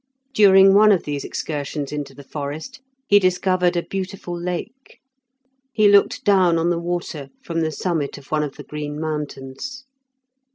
During one of these excursions into the forest he discovered a beautiful lake. He looked down on the water from the summit of one of the green mountains.